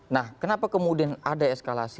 nah kenapa kemudian ada eskalasi